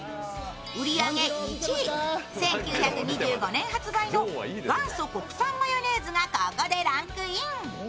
１９２５年発売の元祖国産マヨネーズがここでランクイン。